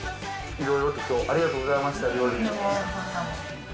いろいろときょう、ありがとうございました、料理も。